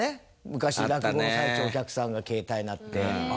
昔落語の最中お客さんが携帯鳴って。